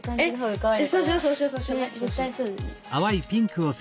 かわいい。